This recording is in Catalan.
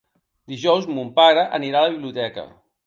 Dijous mon pare anirà a la biblioteca.